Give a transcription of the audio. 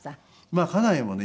まあ家内もね